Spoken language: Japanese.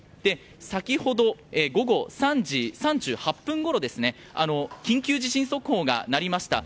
先ほど午後５時３８分ごろ緊急地震速報が鳴りました。